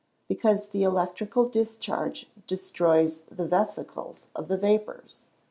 _ Because the electrical discharge destroys the vescicles of the vapours.